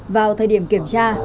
vào thời điểm kiểm tra